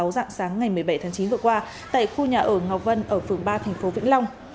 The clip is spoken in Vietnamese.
dạng sáng ngày một mươi bảy tháng chín vừa qua tại khu nhà ở ngọc vân ở phường ba thành phố vĩnh long